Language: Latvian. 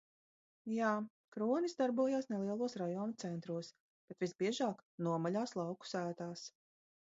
-Jā. Kronis darbojās nelielos rajona centros. Bet visbiežāk- nomaļās lauku sētās.